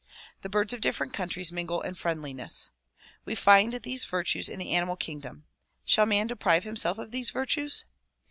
The birds of different countries mingle in friendliness. We find these virtues in the animal kingdom. Shall man deprive him self of these virtues?